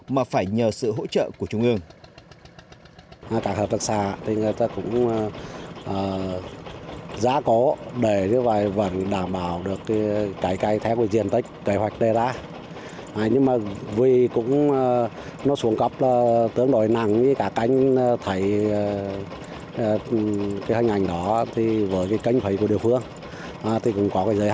mà phải nhờ sự hỗ trợ của trung ương